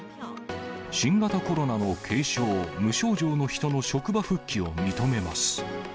新型コロナの軽症・無症状の人の職場復帰を認めます。